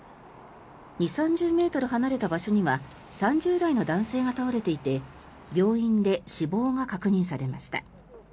２０３０ｍ離れた場所には３０代の男性が倒れていて病院で死亡が確認されました。